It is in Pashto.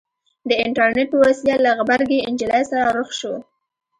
د اينټرنېټ په وسيله له غبرګې نجلۍ سره رخ شو.